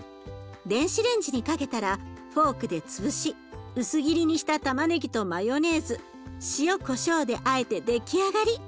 電子レンジにかけたらフォークで潰し薄切りにしたたまねぎとマヨネーズ塩こしょうであえて出来上がり。